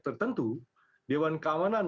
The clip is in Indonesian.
tertentu dewan kawanan